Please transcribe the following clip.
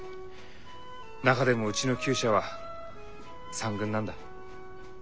中でもうちの厩舎は三軍なんだ。